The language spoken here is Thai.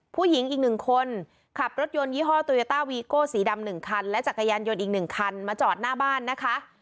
ผู้หญิงอีกหนึ่งคนขับรถยนต์ยี่ห้อโตยาต้าวีโก้สีดำ๑คันและจักรยานยนต์อีก๑คันมาจอดหน้าบ้านนะคะ